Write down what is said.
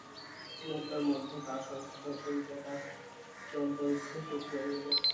মুহূর্তের মধ্যে তাঁহার সমস্ত ব্যথিত হৃদয় তাহার চিরন্তন স্থানটি অধিকার করিল।